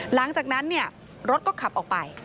หลังจากนั้นรถก็ขับออกไป